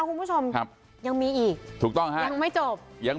คุณผู้ชมยังมีอีกยังไม่จบ